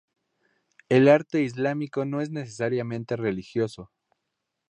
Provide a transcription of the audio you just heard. El arte islámico no es necesariamente religioso.